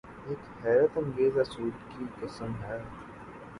ایک حیرت انگیز آسودگی قسم ہے۔